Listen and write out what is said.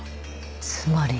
つまり。